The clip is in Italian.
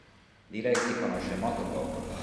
Di lei si conosce molto poco.